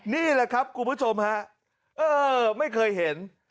นี่แหละครับคุณผู้ชมฮะเออไม่เคยเห็น